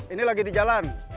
ini lagi di jalan